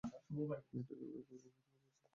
মেয়েটাকে কয়েকবার গর্ভপাত করতে হয়েছিল।